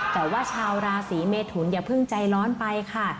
แต่ว่าชาวราศีเมทุนอย่าเพิ่งใจร้อนไปค่ะ